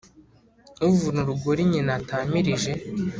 Uvuna urugori nyina atamirije